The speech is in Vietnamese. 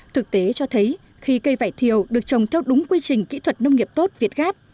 thực tế cho thấy khi cây vải thiều được trồng theo đúng quy trình kỹ thuật nông nghiệp tốt việt gáp